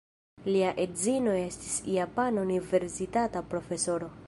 Lia edzino estis japana universitata profesoro.